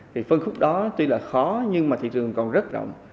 thì phân khúc đó tuy là khó nhưng mà thị trường còn rất rộng